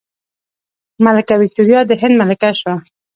ملکه ویکتوریا د هند ملکه شوه.